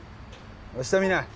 下見ない！